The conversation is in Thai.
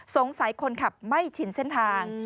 คนขับไม่ชินเส้นทาง